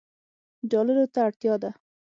ډالرو ته اړتیا ده